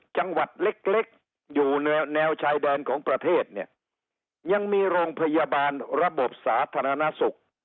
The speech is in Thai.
จังหวัดเล็กเล็กอยู่ในแนวชายแดนของประเทศเนี่ยยังมีโรงพยาบาลระบบสาธารณสุข